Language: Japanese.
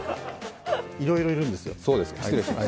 いろいろいるんですよ。